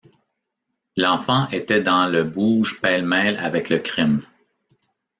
L’enfant était dans le bouge pêle-mêle avec le crime.